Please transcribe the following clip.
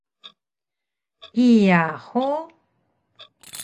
Kiya hug?